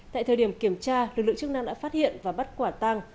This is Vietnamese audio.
tại thời điểm kiểm tra lực lượng chức năng đã phát hiện và bắt quả tăng